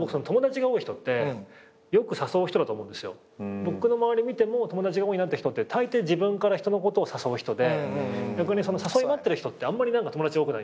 僕の周り見ても友達が多いなって人ってたいてい自分から人のことを誘う人で逆に誘いを待ってる人ってあんまり友達多くない。